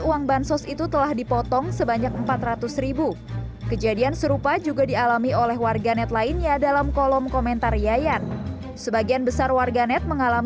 uang bansos itu telah dipotong sebanyak empat ratus kejadian serupa juga dialami oleh warganet lainnya